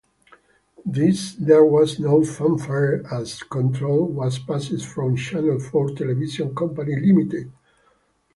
There was no fanfare, as control was passed from Channel Four Television Company Limited.